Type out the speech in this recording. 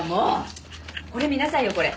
これ見なさいよこれ。